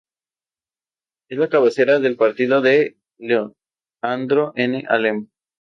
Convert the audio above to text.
El manuscrito nunca más volvió a Gandía, desapareció y estuvo perdido durante muchos años.